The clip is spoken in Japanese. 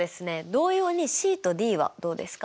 同様にＣとＤはどうですか？